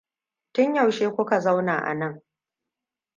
Tun yaushe kuka zauna anan?